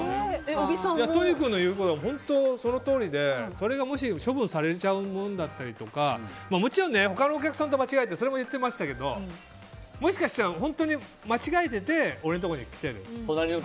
都仁君の言うことは本当そのとおりでそれがもし処分されちゃうものだったりとかもちろん他のお客さんと間違えてそれも言ってましたけどもしかしたら本当に間違えていて俺のところに来ていると。